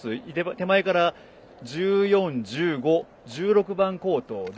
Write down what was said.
手前から１４、１５１６番コートで